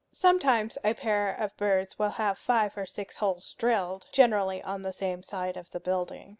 Sometimes a pair of birds will have five or six holes drilled, generally on the same side of the building.